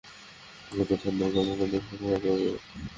ছোট্ট থান্ডার তোমাকে দেখলে ভয় পাবে।